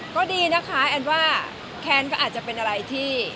ก็ดีนะคะแอนว่าแคนก็อาจจะเป็นอะไรที่